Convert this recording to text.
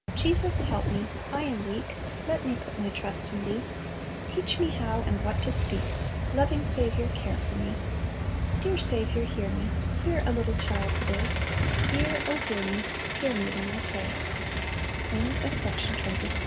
"Jesus, help me, I am weak; Let me put my trust in Thee; Teach me how and what to speak; Loving Saviour, care for me. Dear Saviour, hear me, Hear a little child to day; Hear, oh hear me; Hear me when I pray." 27. Twenty seventh Day.